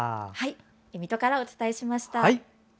水戸からお伝えしました。